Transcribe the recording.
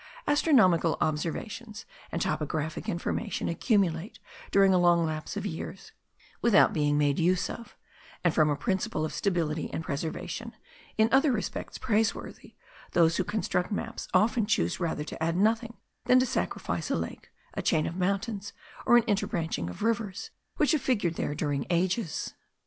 Astronomical observations and topographic information accumulate during a long lapse of years, without being made use of; and from a principle of stability and preservation, in other respects praiseworthy, those who construct maps often choose rather to add nothing, than to sacrifice a lake, a chain of mountains, or an interbranching of rivers, which have figured there during ages.